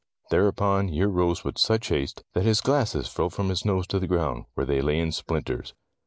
Thereupon he arose with such haste, that his glasses fell from his nose to the ground, where they lay in splinters.